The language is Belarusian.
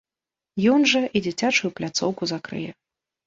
Ён жа і дзіцячую пляцоўку закрые.